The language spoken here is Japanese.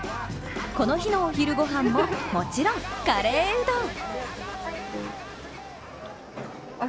この日のお昼ごはんも、もちろんカレーうどん。